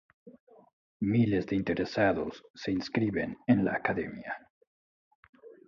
Miles de interesados se inscriben en la academia.